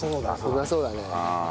うまそうだね。